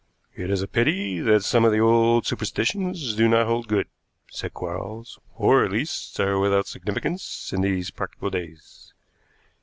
"It is a pity that some of the old superstitions do not hold good," said Quarles, "or at least are without significance in these practical days.